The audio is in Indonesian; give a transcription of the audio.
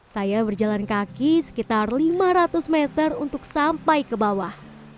saya berjalan kaki sekitar lima ratus meter untuk sampai ke bawah